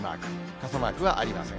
傘マークはありません。